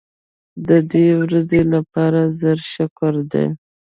د دې ورځې لپاره زر شکر دی.